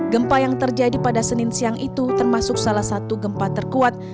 gempa yang terjadi pada senin siang itu termasuk salah satu gempa terkuat